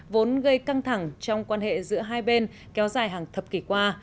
vốn gây căng thẳng trong quan hệ giữa hai bên kéo dài hàng thập kỷ qua